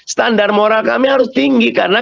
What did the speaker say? standar moral kami harus tinggi karena